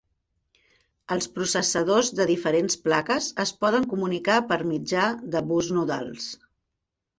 Els processadors de diferents plaques es poden comunicar per mitjà de bus nodals.